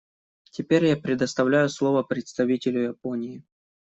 Теперь я предоставляю слово представителю Японии.